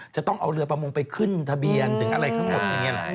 จะต้องเอาเรือประมงไปขึ้นทะเบียนถึงอะไรข้างบน